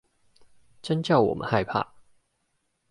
真叫我們害怕